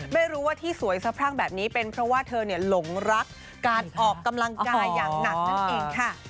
ไม่รู้ว่าที่สวยสะพรั่งแบบนี้เป็นเพราะว่าเธอหลงรักการออกกำลังกายอย่างหนักนั่นเองค่ะ